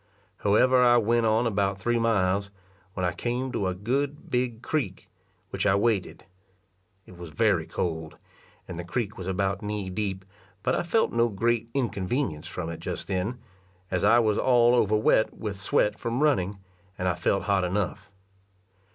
However I went on about three miles, when I came to a good big creek, which I waded. It was very cold, and the creek was about knee deep; but I felt no great inconvenience from it just then, as I was all over wet with sweat from running, and I felt hot enough.